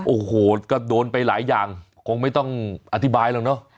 โอ้โหก็โดนไปหลายอย่างคงไม่ต้องอธิบายหรอกเนอะ